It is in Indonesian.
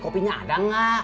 loh apa ini